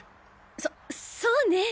そそうね。